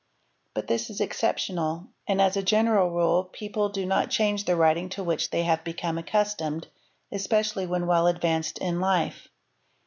But this is exceptional, and as a general rule people do not change the writing to which they have become accustomed— espe | cially when well advanced in life.